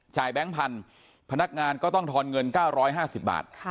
แบงค์พันธุ์พนักงานก็ต้องทอนเงิน๙๕๐บาท